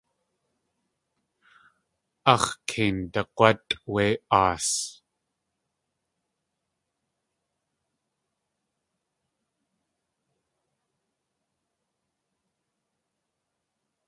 Áx̲ kei ndag̲wátʼ wé aas.